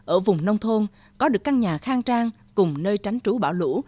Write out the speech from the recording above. ở vùng nông thôn có được căn nhà khang trang cùng nơi tránh trú bão lũ